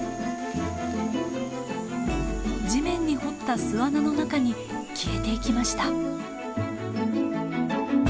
地面に掘った巣穴の中に消えていきました。